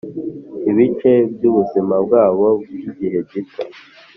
ibice byubuzima bwabo bwigihe gito